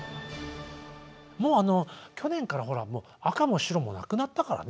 もうあの去年からほらもう紅も白もなくなったからね。